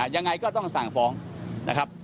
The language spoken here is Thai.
ยังไงก็ต้องสั่งฟ้องนะครับ